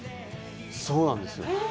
そうなんですよ。